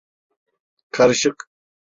Karışık…